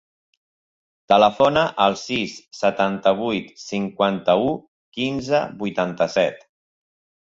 Telefona al sis, setanta-vuit, cinquanta-u, quinze, vuitanta-set.